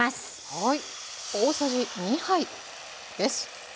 はい。